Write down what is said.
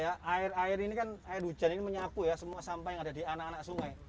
iya kalau musim hujan kan air air ini kan air hujan ini menyapu ya semua sampah yang ada di anak anak sungai